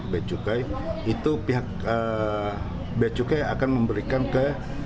becukai itu pihak beacukai akan memberikan ke